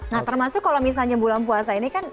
nah termasuk kalau misalnya bulan puasa ini kan